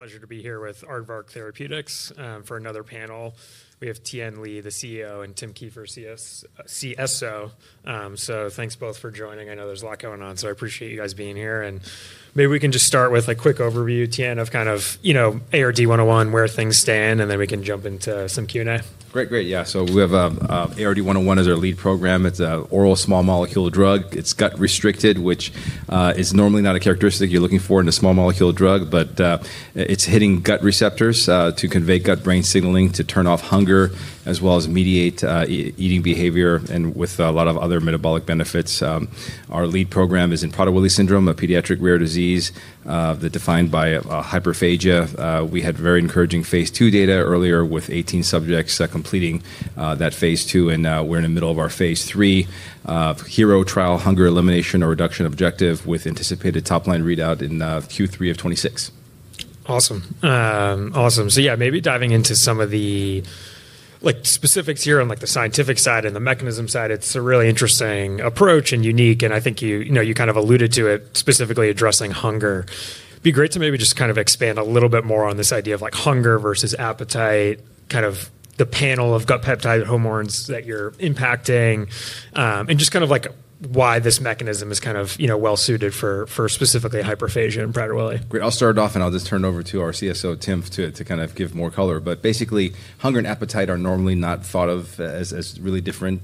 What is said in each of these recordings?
Pleasure to be here with Aardvark Therapeutics, for another panel. We have Tien Lee, the CEO, and Tim Kieffer, CSO. Thanks both for joining. I know there's a lot going on, so I appreciate you guys being here. Maybe we can just start with a quick overview, Tien, of kind of, you know, ARD-101, where things stand, and then we can jump into some Q&A. Great, great. Yeah. We have, ARD-101 is our lead program. It's an oral small molecule drug. It's gut-restricted, which is normally not a characteristic you're looking for in a small molecule drug, but it's hitting gut receptors to convey gut-brain signaling to turn off hunger, as well as mediate eating behavior, and with a lot of other metabolic benefits. Our lead program is in Prader-Willi syndrome, a pediatric rare disease, defined by hyperphagia. We had very encouraging phase II data earlier with 18 subjects completing that phase II, and we're in the middle of our phase III HERO trial, Hunger Elimination or Reduction Objective, with anticipated top-line readout in Q3 of 2026. Awesome. So yeah, maybe diving into some of the, like, specifics here on, like, the scientific side and the mechanism side, it's a really interesting approach and unique, and I think you, you know, you kind of alluded to it specifically addressing hunger. It'd be great to maybe just kind of expand a little bit more on this idea of, like, hunger versus appetite, kind of the panel of gut peptide hormones that you're impacting, and just kind of, like, why this mechanism is kind of, you know, well-suited for, for specifically hyperphagia and Prader-Willi. Great. I'll start off, and I'll just turn it over to our CSO, Tim, to kind of give more color. Basically, hunger and appetite are normally not thought of as really different.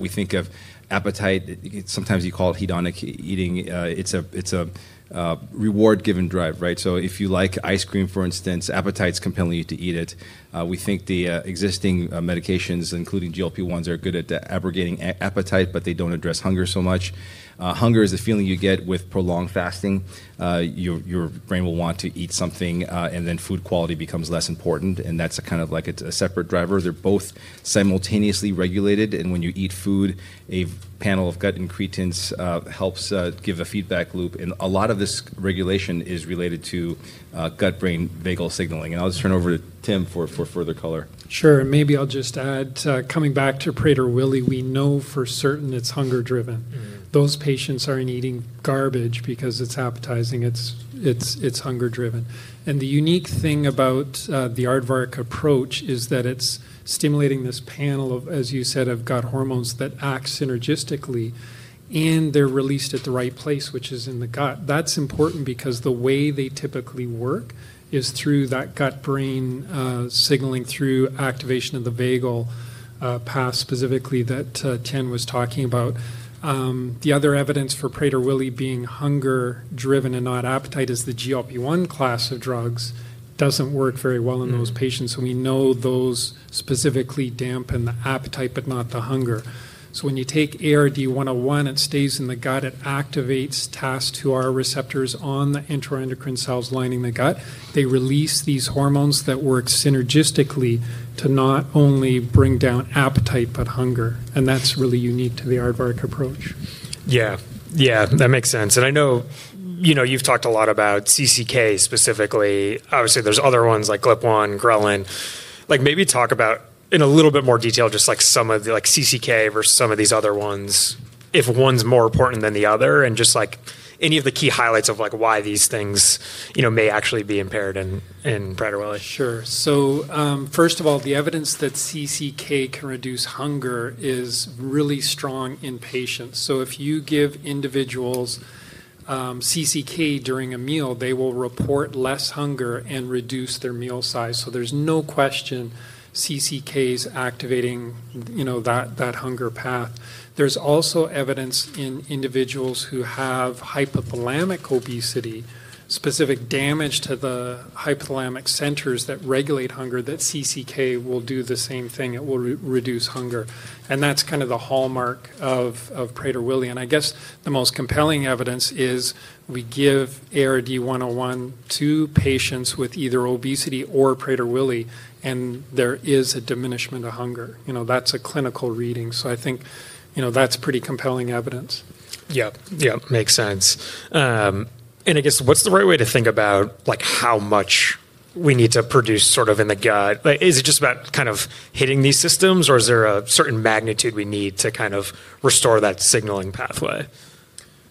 We think of appetite; sometimes you call it hedonic eating. It's a reward-giving drive, right? If you like ice cream, for instance, appetite's compelling you to eat it. We think the existing medications, including GLP-1s, are good at abrogating appetite, but they don't address hunger so much. Hunger is a feeling you get with prolonged fasting. Your brain will want to eat something, and then food quality becomes less important, and that's a kind of, like, it's a separate driver. They're both simultaneously regulated, and when you eat food, a panel of gut incretins helps give a feedback loop. A lot of this regulation is related to gut-brain vagal signaling. I'll just turn it over to Tim for further color. Sure. Maybe I'll just add, coming back to Prader-Willi, we know for certain it's hunger-driven. Those patients aren't eating garbage because it's appetizing. It's hunger-driven. The unique thing about the Aardvark approach is that it's stimulating this panel of, as you said, gut hormones that act synergistically, and they're released at the right place, which is in the gut. That's important because the way they typically work is through that gut-brain signaling, through activation of the vagal path specifically that Tien was talking about. The other evidence for Prader-Willi being hunger-driven and not appetite is the GLP-1 class of drugs doesn't work very well in those patients, so we know those specifically dampen the appetite but not the hunger. When you take ARD-101, it stays in the gut. It activates TAS2R receptors on the enteroendocrine cells lining the gut. They release these hormones that work synergistically to not only bring down appetite but hunger. That's really unique to the Aardvark approach. Yeah. Yeah. That makes sense. I know, you know, you've talked a lot about CCK specifically. Obviously, there's other ones like GLP-1, Ghrelin. Maybe talk about in a little bit more detail, just, like, some of the, like, CCK versus some of these other ones, if one's more important than the other, and just, like, any of the key highlights of, like, why these things, you know, may actually be impaired in, in Prader-Willi. Sure. First of all, the evidence that CCK can reduce hunger is really strong in patients. If you give individuals CCK during a meal, they will report less hunger and reduce their meal size. There is no question CCK's activating, you know, that hunger path. There is also evidence in individuals who have hypothalamic obesity, specific damage to the hypothalamic centers that regulate hunger, that CCK will do the same thing. It will re-reduce hunger. That is kind of the hallmark of Prader-Willi. I guess the most compelling evidence is we give ARD-101 to patients with either obesity or Prader-Willi, and there is a diminishment of hunger. You know, that is a clinical reading. I think, you know, that is pretty compelling evidence. Yep. Yep. Makes sense. And I guess what's the right way to think about, like, how much we need to produce sort of in the gut? Like, is it just about kind of hitting these systems, or is there a certain magnitude we need to kind of restore that signaling pathway?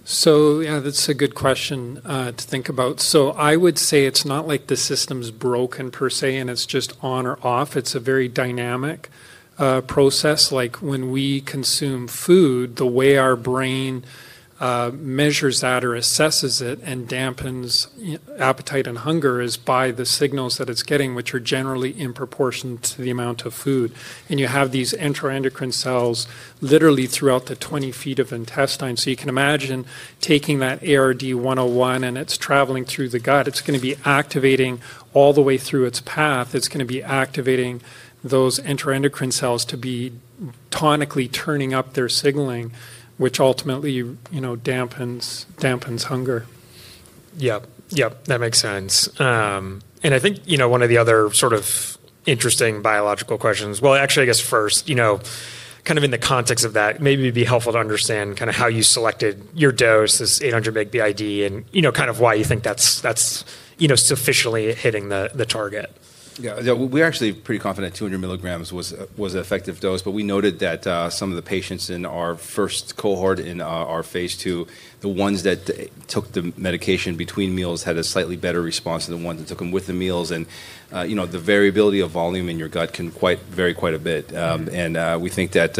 Yeah, that's a good question to think about. I would say it's not like the system's broken per se, and it's just on or off. It's a very dynamic process. Like, when we consume food, the way our brain measures that or assesses it and dampens, you know, appetite and hunger is by the signals that it's getting, which are generally in proportion to the amount of food. You have these enteroendocrine cells literally throughout the 20 feet of intestine. You can imagine taking that ARD-101, and it's traveling through the gut. It's going to be activating all the way through its path. It's going to be activating those enteroendocrine cells to be tonically turning up their signaling, which ultimately, you know, dampens hunger. Yep. Yep. That makes sense. I think, you know, one of the other sort of interesting biological questions, well, actually, I guess first, you know, kind of in the context of that, maybe it'd be helpful to understand kind of how you selected your dose, this 800 mg b.i.d., and, you know, kind of why you think that's, that's, you know, sufficiently hitting the, the target. Yeah. Yeah. We're actually pretty confident 200 mg was an effective dose, but we noted that some of the patients in our first cohort in our phase II, the ones that took the medication between meals had a slightly better response than the ones that took them with the meals. And, you know, the variability of volume in your gut can quite vary quite a bit. We think that,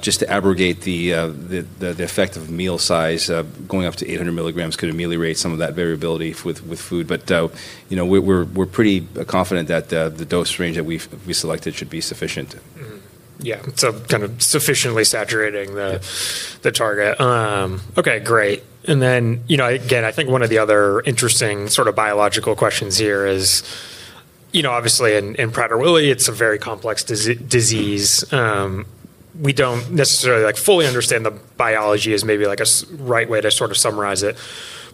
just to abrogate the effect of meal size, going up to 800 mg could ameliorate some of that variability with food. But, you know, we're pretty confident that the dose range that we've selected should be sufficient. Mm-hmm. Yeah. Kind of sufficiently saturating the, the target. Okay. Great. You know, again, I think one of the other interesting sort of biological questions here is, you know, obviously in Prader-Willi, it's a very complex disease. We don't necessarily, like, fully understand the biology as maybe, like, a right way to sort of summarize it,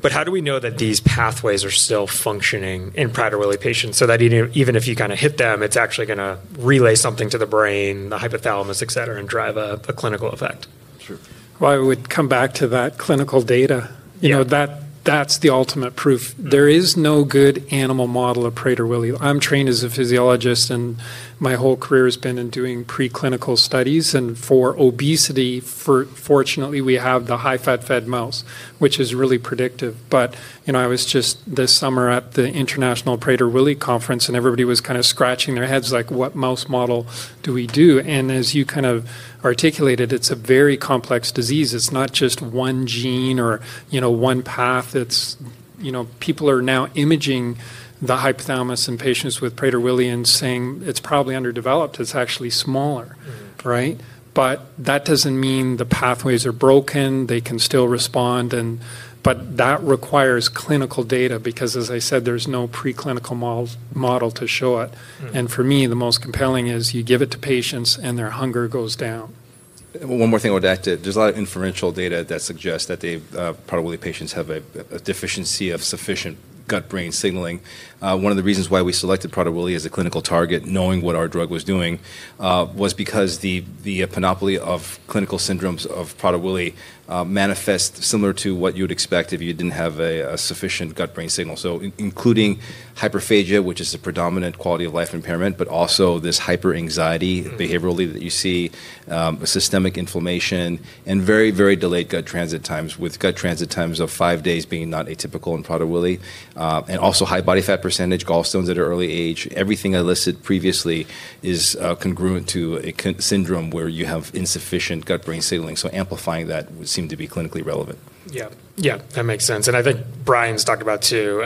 but how do we know that these pathways are still functioning in Prader-Willi patients so that even if you kind of hit them, it's actually going to relay something to the brain, the hypothalamus, etc., and drive a clinical effect? True. I would come back to that clinical data. You know, that's the ultimate proof. There is no good animal model of Prader-Willi. I'm trained as a physiologist, and my whole career has been in doing preclinical studies. And for obesity, fortunately, we have the high-fat-fed mouse, which is really predictive. You know, I was just this summer at the International Prader-Willi Conference, and everybody was kind of scratching their heads, like, what mouse model do we do? As you kind of articulated, it's a very complex disease. It's not just one gene or, you know, one path. It's, you know, people are now imaging the hypothalamus in patients with Prader-Willi and saying it's probably underdeveloped. It's actually smaller, right? That doesn't mean the pathways are broken. They can still respond. That requires clinical data because, as I said, there's no preclinical model to show it. For me, the most compelling is you give it to patients, and their hunger goes down. One more thing I would add to it. There's a lot of inferential data that suggests that they, Prader-Willi patients, have a deficiency of sufficient gut-brain signaling. One of the reasons why we selected Prader-Willi as a clinical target, knowing what our drug was doing, was because the panoply of clinical syndromes of Prader-Willi manifests similar to what you would expect if you didn't have a sufficient gut-brain signal. In-including hyperphagia, which is a predominant quality of life impairment, but also this hyperanxiety behaviorally that you see, systemic inflammation, and very, very delayed gut transit times, with gut transit times of five days being not atypical in Prader-Willi, and also high body fat percentage, gallstones at an early age. Everything I listed previously is congruent to a syndrome where you have insufficient gut-brain signaling. Amplifying that would seem to be clinically relevant. Yep. Yep. That makes sense. I think Brian's talked about too,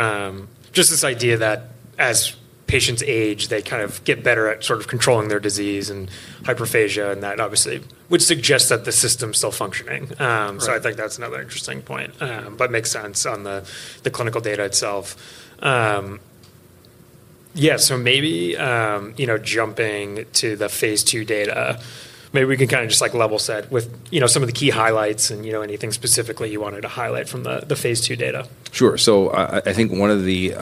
just this idea that as patients age, they kind of get better at sort of controlling their disease and hyperphagia, and that obviously would suggest that the system's still functioning. I think that's another interesting point, but makes sense on the clinical data itself. Yeah. Maybe, you know, jumping to the phase II data, maybe we can kind of just, like, level set with, you know, some of the key highlights and, you know, anything specifically you wanted to highlight from the phase II data. Sure. I think one of the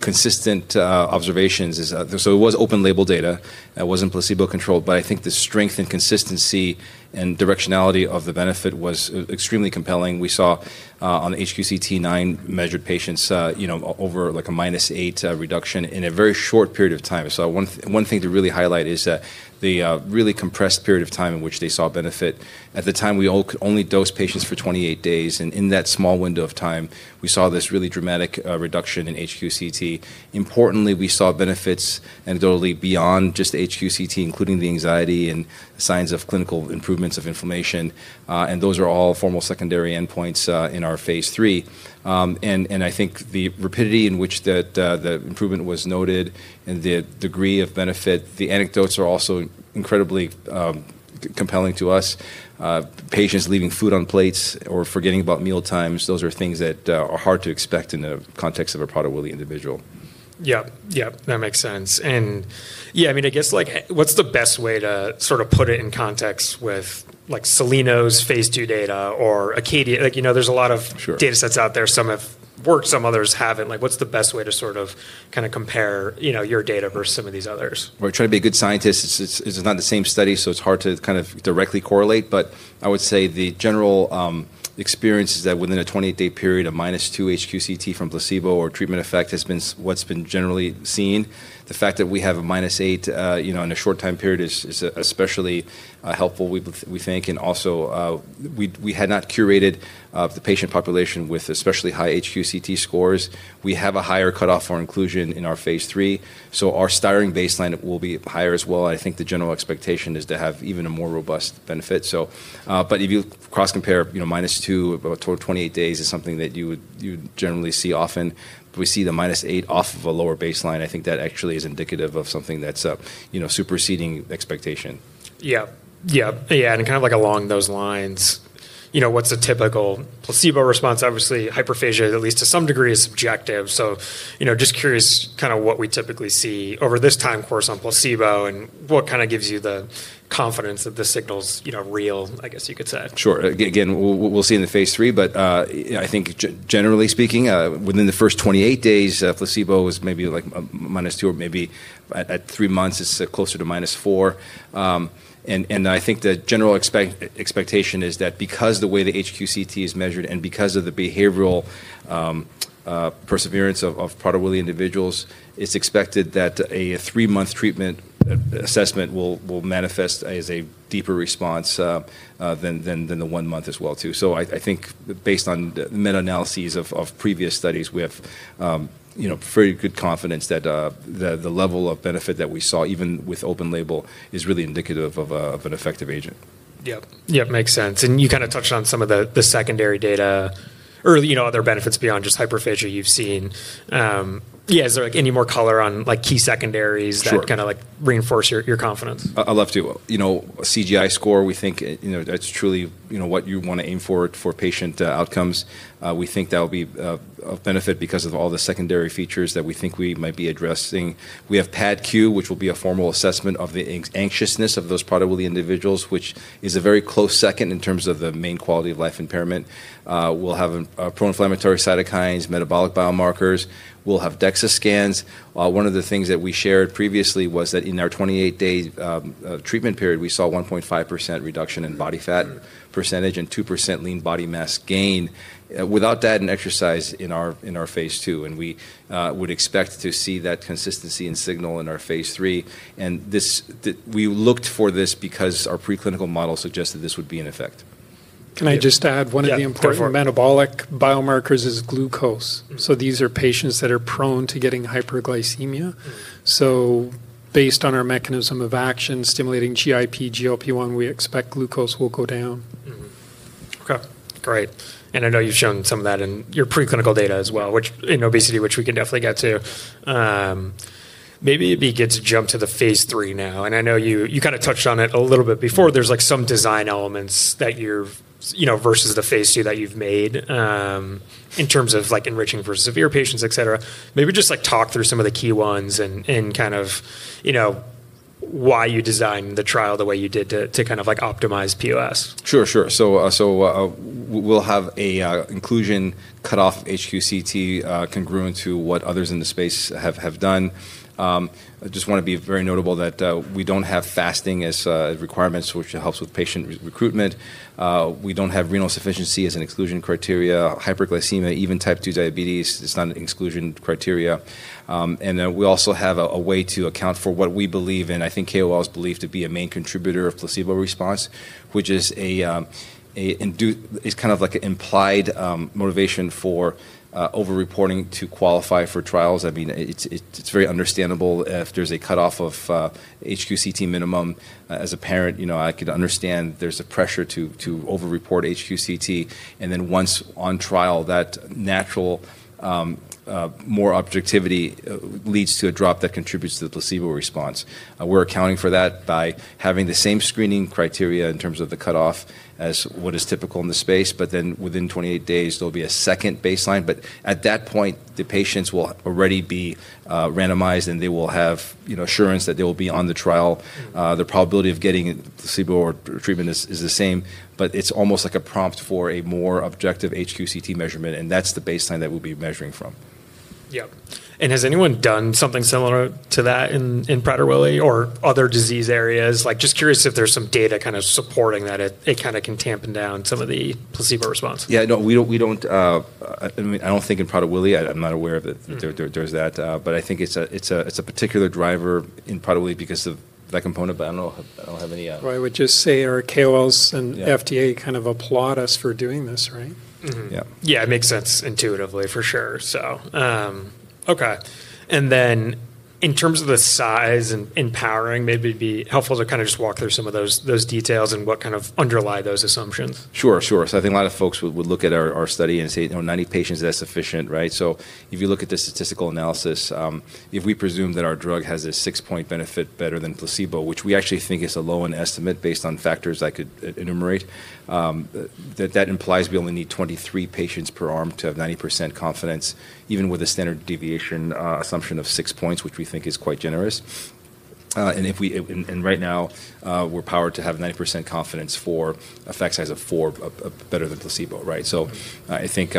consistent observations is, it was open-label data. It was not placebo-controlled, but I think the strength and consistency and directionality of the benefit was extremely compelling. We saw, on HQCT9 measured patients, you know, over like a minus eight, reduction in a very short period of time. One thing to really highlight is that the really compressed period of time in which they saw benefit. At the time, we all could only dose patients for 28 days, and in that small window of time, we saw this really dramatic reduction in HQCT. Importantly, we saw benefits anecdotally beyond just HQCT, including the anxiety and signs of clinical improvements of inflammation. Those are all formal secondary endpoints in our phase III. I think the rapidity in which that, the improvement was noted and the degree of benefit, the anecdotes are also incredibly compelling to us. Patients leaving food on plates or forgetting about meal times, those are things that are hard to expect in the context of a Prader-Willi individual. Yep. Yep. That makes sense. Yeah, I mean, I guess, like, what's the best way to sort of put it in context with, like, Soleno's phase II data or Acadia? Like, you know, there's a lot of data sets out there. Some have worked, some others haven't. Like, what's the best way to sort of kind of compare, you know, your data versus some of these others? Trying to be a good scientist, it's, it's not the same study, so it's hard to kind of directly correlate. I would say the general experience is that within a 28-day period, a minus two HQCT from placebo or treatment effect has been what's been generally seen. The fact that we have a minus eight, you know, in a short time period is especially helpful, we think. Also, we had not curated the patient population with especially high HQCT scores. We have a higher cutoff for inclusion in our phase III, so our starting baseline will be higher as well. I think the general expectation is to have even a more robust benefit. If you cross-compare, you know, minus two over a total of 28 days is something that you would generally see often. We see the minus eight off of a lower baseline. I think that actually is indicative of something that's, you know, superseding expectation. Yep. Yep. Yeah. Kind of like along those lines, you know, what's a typical placebo response? Obviously, hyperphagia, at least to some degree, is subjective. You know, just curious kind of what we typically see over this time course on placebo and what kind of gives you the confidence that the signal's, you know, real, I guess you could say. Sure. Again, we'll see in the phase III, but I think generally speaking, within the first 28 days, placebo was maybe like a minus two or maybe at three months, it's closer to minus four. I think the general expectation is that because the way the HQCT is measured and because of the behavioral perseverance of Prader-Willi individuals, it's expected that a three-month treatment assessment will manifest as a deeper response than the one month as well too. I think based on the meta-analyses of previous studies, we have, you know, pretty good confidence that the level of benefit that we saw, even with open label, is really indicative of an effective agent. Yep. Yep. Makes sense. You kind of touched on some of the secondary data or, you know, other benefits beyond just hyperphagia you've seen. Yeah. Is there, like, any more color on, like, key secondaries that kind of, like, reinforce your confidence? I'd love to. You know, CGI score, we think, you know, that's truly, you know, what you want to aim for, for patient outcomes. We think that'll be a benefit because of all the secondary features that we think we might be addressing. We have PADQ, which will be a formal assessment of the anxiousness of those Prader-Willi individuals, which is a very close second in terms of the main quality of life impairment. We'll have pro-inflammatory cytokines, metabolic biomarkers. We'll have DEXA scans. One of the things that we shared previously was that in our 28-day treatment period, we saw a 1.5% reduction in body fat percentage and 2% lean body mass gain without diet and exercise in our phase II, and we would expect to see that consistency in signal in our phase III. We looked for this because our preclinical model suggested this would be in effect. Can I just add one of the important metabolic biomarkers is glucose. These are patients that are prone to getting hyperglycemia. Based on our mechanism of action, stimulating GIP, GLP-1, we expect glucose will go down. Mm-hmm. Okay. Great. And I know you've shown some of that in your preclinical data as well, which in obesity, which we can definitely get to. Maybe it'd be good to jump to the phase III now. And I know you, you kind of touched on it a little bit before. There's, like, some design elements that you're, you know, versus the phase II that you've made, in terms of, like, enriching for severe patients, etc. Maybe just, like, talk through some of the key ones and, and kind of, you know, why you designed the trial the way you did to, to kind of, like, optimize POS. Sure. We'll have an inclusion cutoff HQCT, congruent to what others in the space have done. I just want to be very notable that we don't have fasting as a requirement, which helps with patient recruitment. We don't have renal sufficiency as an exclusion criteria. Hyperglycemia, even type 2 diabetes, it's not an exclusion criteria. We also have a way to account for what we believe in. I think KOLs believe to be a main contributor of placebo response, which is kind of like an implied motivation for over-reporting to qualify for trials. I mean, it's very understandable if there's a cutoff of HQCT minimum. As a parent, you know, I could understand there's a pressure to over-report HQCT. Once on trial, that natural, more objectivity leads to a drop that contributes to the placebo response. We're accounting for that by having the same screening criteria in terms of the cutoff as what is typical in the space. Within 28 days, there will be a second baseline. At that point, the patients will already be randomized, and they will have, you know, assurance that they will be on the trial. The probability of getting placebo or treatment is the same, but it's almost like a prompt for a more objective HQCT measurement, and that's the baseline that we'll be measuring from. Yep. Has anyone done something similar to that in, in Prader-Willi or other disease areas? Like, just curious if there's some data kind of supporting that it, it kind of can tampon down some of the placebo response. Yeah. No, we don't, I mean, I don't think in Prader-Willi, I'm not aware of that, there's that. I think it's a particular driver in Prader-Willi because of that component, but I don't know. I don't have any, I would just say our KOLs and FDA kind of applaud us for doing this, right? Mm-hmm. Yeah. Yeah. It makes sense intuitively, for sure. Okay. In terms of the size and empowering, maybe it'd be helpful to kind of just walk through some of those details and what kind of underlie those assumptions. Sure. So I think a lot of folks would look at our study and say, you know, 90 patients, that's sufficient, right? If you look at the statistical analysis, if we presume that our drug has a six-point benefit better than placebo, which we actually think is a low-end estimate based on factors I could enumerate, that implies we only need 23 patients per arm to have 90% confidence, even with a standard deviation assumption of six points, which we think is quite generous. If we, and right now, we're powered to have 90% confidence for effect size of four better than placebo, right? I think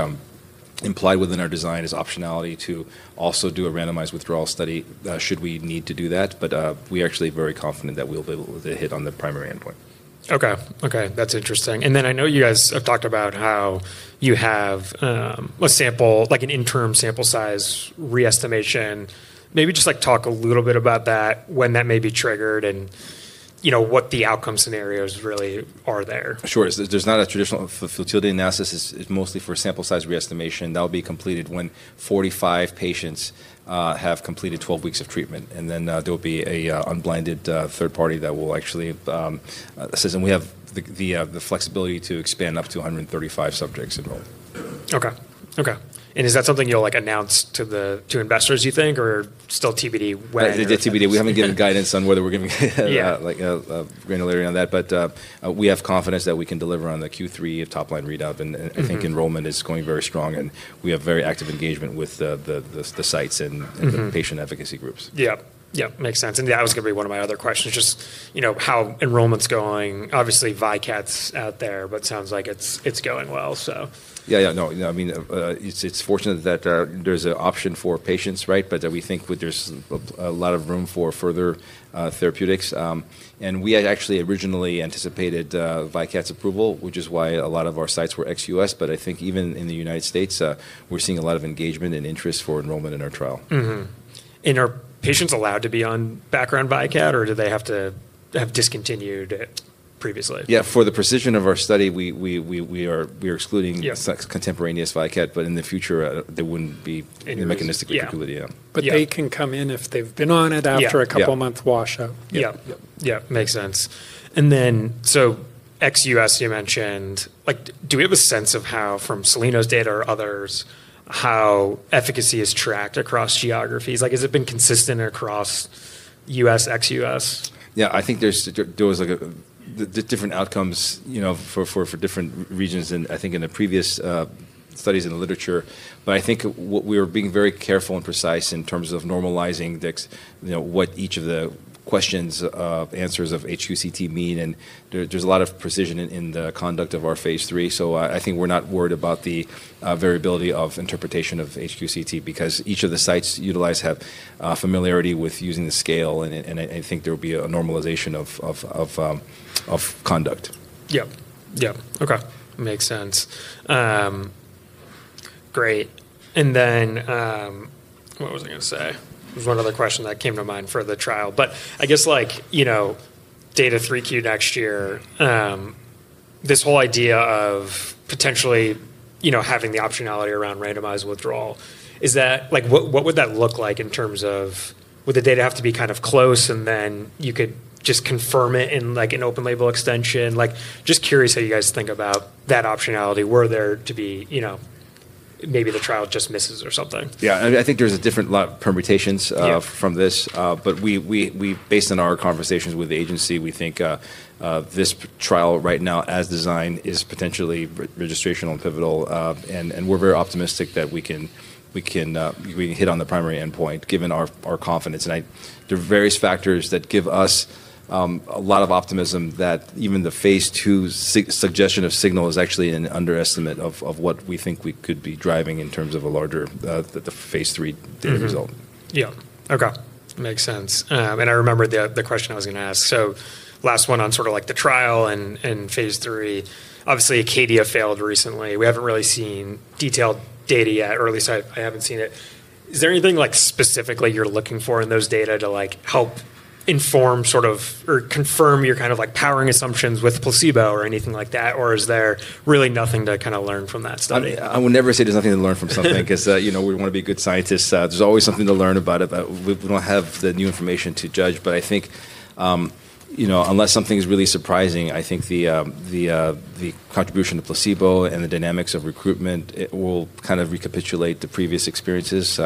implied within our design is optionality to also do a randomized withdrawal study, should we need to do that. We actually are very confident that we'll be able to hit on the primary endpoint. Okay. Okay. That's interesting. I know you guys have talked about how you have, a sample, like an interim sample size re-estimation. Maybe just, like, talk a little bit about that, when that may be triggered and, you know, what the outcome scenarios really are there. Sure. There's not a traditional fertility analysis. It's mostly for sample size re-estimation. That'll be completed when 45 patients have completed 12 weeks of treatment. There'll be an unblinded third party that will actually assess, and we have the flexibility to expand up to 135 subjects enrolled. Okay. Okay. Is that something you'll, like, announce to the, to investors, you think, or still TBD when? The TBD. We haven't given guidance on whether we're giving, like, granularity on that. We have confidence that we can deliver on the Q3 top-line readout. I think enrollment is going very strong, and we have very active engagement with the sites and the patient advocacy groups. Yep. Yep. Makes sense. That was gonna be one of my other questions, just, you know, how enrollment's going. Obviously, Vycat's out there, but it sounds like it's going well. Yeah. Yeah. No. I mean, it's, it's fortunate that, there's an option for patients, right, but that we think there's a, a lot of room for further therapeutics. We had actually originally anticipated Vycat's approval, which is why a lot of our sites were XUS. I think even in the United States, we're seeing a lot of engagement and interest for enrollment in our trial. Mm-hmm. Are patients allowed to be on background Vycat, or do they have to have discontinued it previously? Yeah. For the precision of our study, we are excluding. Yes. Contemporaneous Vycat, but in the future, there wouldn't be any mechanistic capability. Yeah. Yeah. Yeah. They can come in if they've been on it after a couple month washout. Yep. Yep. Yep. Makes sense. And then XUS you mentioned, like, do we have a sense of how, from Soleno's data or others, how efficacy is tracked across geographies? Like, has it been consistent across U.S., XUS? Yeah. I think there's, like, the different outcomes, you know, for different regions in, I think, in the previous studies in the literature. I think what we are being very careful and precise in terms of is normalizing the, you know, what each of the questions, answers of HQCT mean. There's a lot of precision in the conduct of our phase III. I think we're not worried about the variability of interpretation of HQCT because each of the sites utilized have familiarity with using the scale. I think there'll be a normalization of conduct. Yep. Yep. Okay. Makes sense. Great. And then, what was I gonna say? It was one other question that came to mind for the trial. I guess, like, you know, data 3Q next year, this whole idea of potentially, you know, having the optionality around randomized withdrawal, is that, like, what would that look like in terms of would the data have to be kind of close and then you could just confirm it in, like, an open label extension? Like, just curious how you guys think about that optionality. Were there to be, you know, maybe the trial just misses or something? Yeah. I think there's a lot of different permutations. Yep. From this, but we, based on our conversations with the agency, we think this trial right now as designed is potentially re-registrational and pivotal. We are very optimistic that we can hit on the primary endpoint given our confidence. There are various factors that give us a lot of optimism that even the phase II suggestion of signal is actually an underestimate of what we think we could be driving in terms of a larger phase III data result. Mm-hmm. Yep. Okay. Makes sense. I remember the question I was gonna ask. Last one on sort of like the trial and phase III. Obviously, Acadia failed recently. We haven't really seen detailed data yet, or at least I haven't seen it. Is there anything specifically you're looking for in those data to help inform sort of or confirm your kind of powering assumptions with placebo or anything like that? Or is there really nothing to kind of learn from that study? I mean, I would never say there's nothing to learn from something 'cause, you know, we wanna be good scientists. There's always something to learn about it, but we don't have the new information to judge. I think, you know, unless something's really surprising, I think the contribution to placebo and the dynamics of recruitment, it will kind of recapitulate the previous experiences,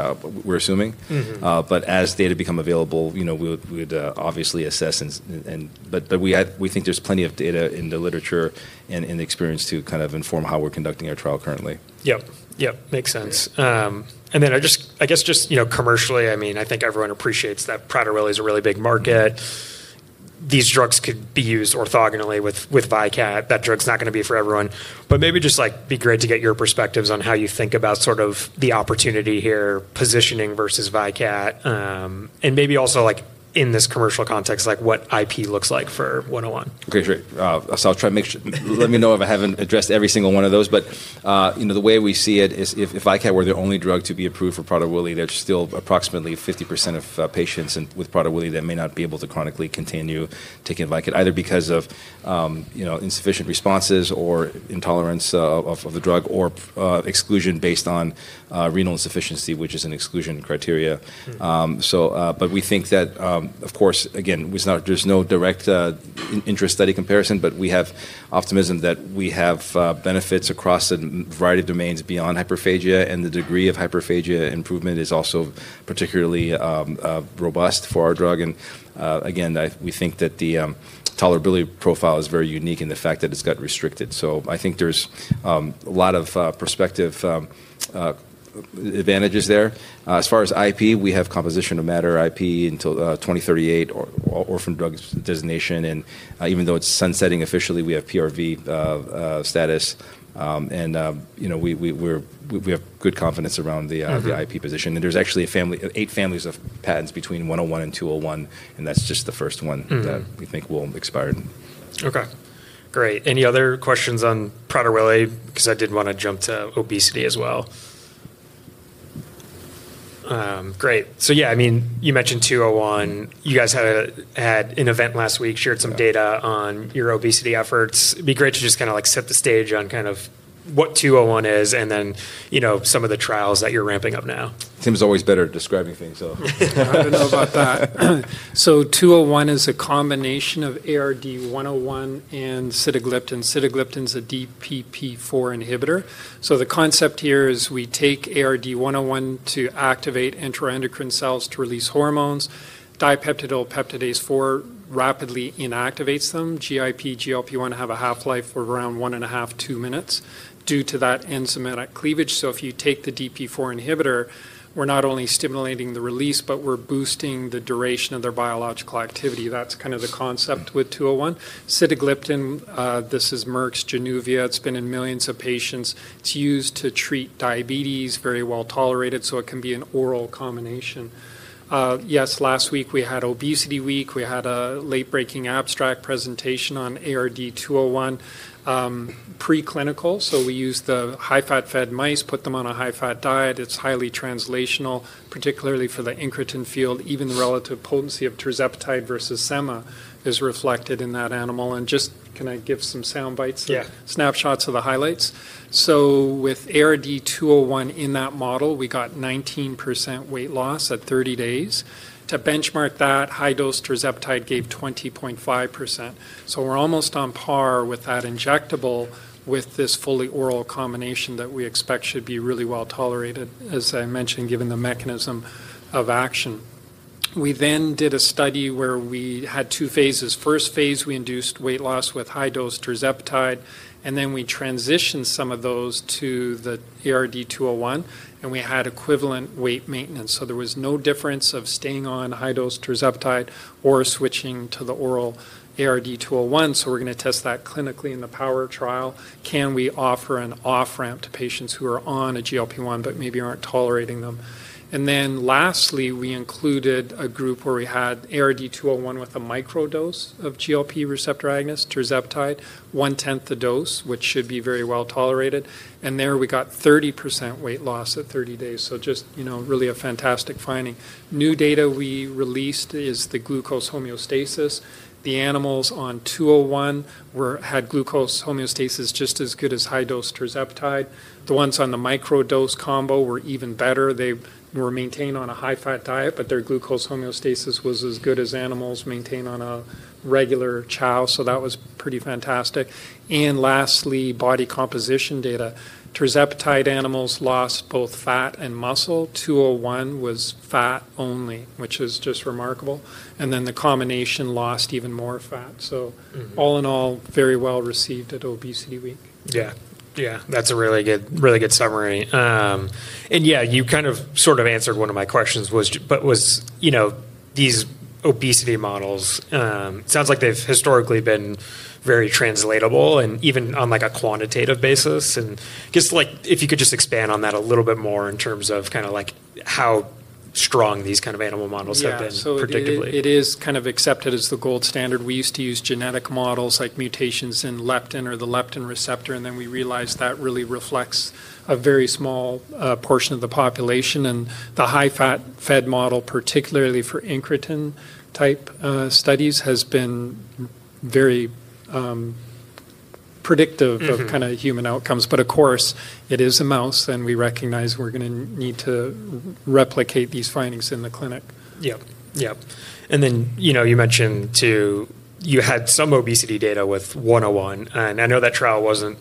we're assuming. Mm-hmm. As data become available, you know, we would obviously assess, but we think there's plenty of data in the literature and in the experience to kind of inform how we're conducting our trial currently. Yep. Yep. Makes sense. And then I just, I guess just, you know, commercially, I mean, I think everyone appreciates that Prader-Willi is a really big market. These drugs could be used orthogonally with, with Vycat. That drug's not gonna be for everyone. But maybe just, like, be great to get your perspectives on how you think about sort of the opportunity here, positioning versus Vycat, and maybe also, like, in this commercial context, like, what IP looks like for 101. Okay. Sure. I'll try to make sure—let me know if I haven't addressed every single one of those. But, you know, the way we see it is if Vycat were the only drug to be approved for Prader-Willi, there's still approximately 50% of patients with Prader-Willi that may not be able to chronically continue taking Vycat, either because of, you know, insufficient responses or intolerance of the drug, or exclusion based on renal insufficiency, which is an exclusion criteria. Mm-hmm. We think that, of course, again, it's not, there's no direct in-interest study comparison, but we have optimism that we have benefits across a variety of domains beyond hyperphagia. The degree of hyperphagia improvement is also particularly robust for our drug. Again, we think that the tolerability profile is very unique in the fact that it's gut restricted. I think there's a lot of perspective advantages there. As far as IP, we have composition of matter IP until 2038 or orphan drug designation. Even though it's sunsetting officially, we have PRV status. You know, we have good confidence around the IP position. There's actually eight families of patents between 101 and 201, and that's just the first one. Mm-hmm. That we think will expire. Okay. Great. Any other questions on Prader-Willi? 'Cause I did wanna jump to obesity as well. Great. So yeah, I mean, you mentioned 201. You guys had an event last week, shared some data on your obesity efforts. It'd be great to just kind of like set the stage on kind of what 201 is and then, you know, some of the trials that you're ramping up now. Tim's always better at describing things, though. I don't know about that. 201 is a combination of ARD-101 and sitagliptin. Sitagliptin's a DPP-4 inhibitor. The concept here is we take ARD-101 to activate enteroendocrine cells to release hormones. Dipeptidyl peptidase 4 rapidly inactivates them. GIP, GLP-1 have a half-life of around one and a half, two minutes due to that enzymatic cleavage. If you take the DPP-4 inhibitor, we're not only stimulating the release, but we're boosting the duration of their biological activity. That's kind of the concept with 201. Sitagliptin, this is Merck's Januvia. It's been in millions of patients. It's used to treat diabetes, very well tolerated, so it can be an oral combination. Yes, last week we had Obesity Week. We had a late-breaking abstract presentation on ARD-201, preclinical. We used the high-fat-fed mice, put them on a high-fat diet. It's highly translational, particularly for the incretin field. Even the relative potency of tirzepatide versus SEMA is reflected in that animal. And just can I give some soundbites? Yeah. Snapshots of the highlights. With ARD-201 in that model, we got 19% weight loss at 30 days. To benchmark that, high-dose tirzepatide gave 20.5%. We're almost on par with that injectable with this fully oral combination that we expect should be really well tolerated, as I mentioned, given the mechanism of action. We then did a study where we had two phases. First phase, we induced weight loss with high-dose tirzepatide, and then we transitioned some of those to the ARD-201, and we had equivalent weight maintenance. There was no difference of staying on high-dose tirzepatide or switching to the oral ARD-201. We're gonna test that clinically in the POWER trial. Can we offer an off-ramp to patients who are on a GLP-1 but maybe aren't tolerating them? Lastly, we included a group where we had ARD-201 with a micro-dose of GLP-1 receptor agonist, tirzepatide, one-tenth the dose, which should be very well tolerated. There we got 30% weight loss at 30 days. Just, you know, really a fantastic finding. New data we released is the glucose homeostasis. The animals on 201 had glucose homeostasis just as good as high-dose tirzepatide. The ones on the micro-dose combo were even better. They were maintained on a high-fat diet, but their glucose homeostasis was as good as animals maintained on a regular chow. That was pretty fantastic. Lastly, body composition data. Tirzepatide animals lost both fat and muscle. 201 was fat only, which is just remarkable. The combination lost even more fat. Mm-hmm. All in all, very well received at Obesity Week. Yeah. Yeah. That's a really good, really good summary. Yeah, you kind of sort of answered one of my questions, but was, you know, these obesity models, sounds like they've historically been very translatable and even on like a quantitative basis. Just like if you could just expand on that a little bit more in terms of kind of like how strong these kind of animal models have been predictably. Yeah. It is kind of accepted as the gold standard. We used to use genetic models, like mutations in leptin or the leptin receptor, and then we realized that really reflects a very small portion of the population. The high-fat-fed model, particularly for Incretin type studies, has been very predictive of kind of human outcomes. Of course, it is a mouse, and we recognize we're gonna need to replicate these findings in the clinic. Yep. Yep. You know, you mentioned too, you had some obesity data with 101. I know that trial wasn't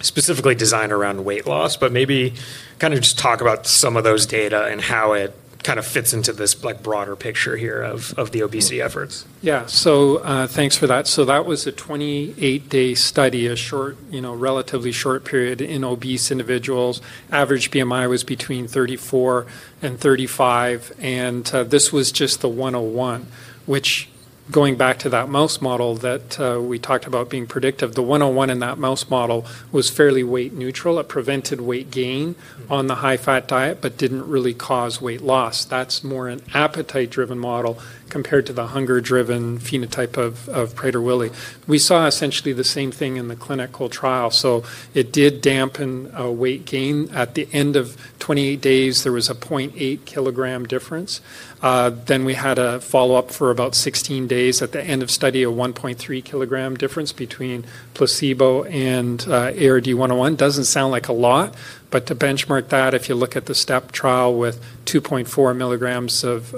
specifically designed around weight loss, but maybe kind of just talk about some of those data and how it kind of fits into this broader picture here of the obesity efforts. Yeah. Thanks for that. That was a 28-day study, a short, you know, relatively short period in obese individuals. Average BMI was between 34 and 35. This was just the 101, which, going back to that mouse model that we talked about being predictive, the 101 in that mouse model was fairly weight neutral. It prevented weight gain on the high-fat diet, but did not really cause weight loss. That is more an appetite-driven model compared to the hunger-driven phenotype of Prader-Willi. We saw essentially the same thing in the clinical trial. It did dampen weight gain. At the end of 28 days, there was a 0.8 kilogram difference. We had a follow-up for about 16 days. At the end of study, a 1.3 kilogram difference between placebo and ARD-101. Doesn't sound like a lot, but to benchmark that, if you look at the STEP trial with 2.4 milligrams of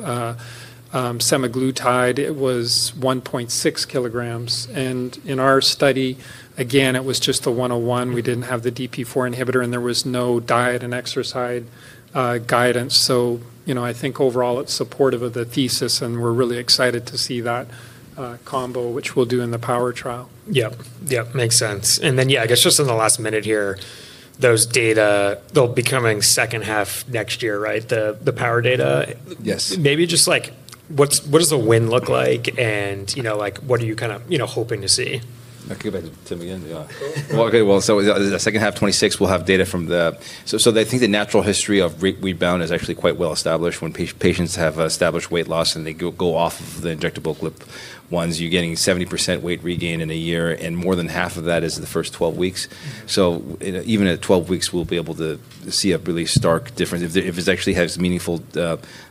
semaglutide, it was 1.6 kilograms. In our study, again, it was just the 101. We didn't have the DPP-4 inhibitor, and there was no diet and exercise guidance. You know, I think overall it's supportive of the thesis, and we're really excited to see that combo, which we'll do in the POWER trial. Yep. Yep. Makes sense. Yeah, I guess just on the last minute here, those data, they'll be coming second half next year, right? The, the POWER data. Yes. Maybe just like what's, what does the win look like? You know, like what are you kind of, you know, hoping to see? I'll give it to Tim again. Yeah. Cool. Okay. The second half, 2026, we'll have data from the, they think the natural history of weight, weight bound is actually quite well established when patients have established weight loss and they go off of the injectable GLP-1s. You're getting 70% weight regain in a year, and more than half of that is the first 12 weeks. Even at 12 weeks, we'll be able to see a really stark difference. If it actually has meaningful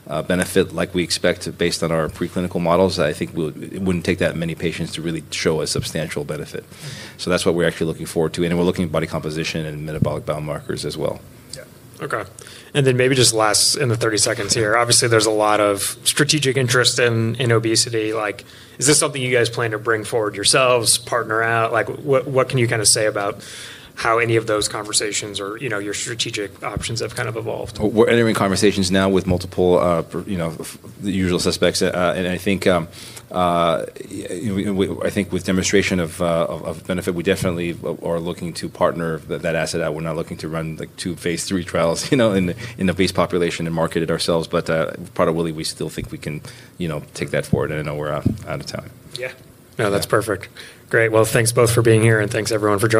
benefit like we expect based on our preclinical models, I think it wouldn't take that many patients to really show a substantial benefit. That's what we're actually looking forward to. We're looking at body composition and metabolic biomarkers as well. Yeah. Okay. Maybe just last in the 30 seconds here, obviously there's a lot of strategic interest in, in obesity. Like, is this something you guys plan to bring forward yourselves, partner out? Like, what, what can you kind of say about how any of those conversations or, you know, your strategic options have kind of evolved? We're entering conversations now with multiple, you know, the usual suspects. I think, we, I think with demonstration of benefit, we definitely are looking to partner that asset out. We're not looking to run like two phase III trials, you know, in the base population and market it ourselves. Prader-Willi, we still think we can, you know, take that forward. I know we're out of time. Yeah. No, that's perfect. Great. Thanks both for being here, and thanks everyone for joining.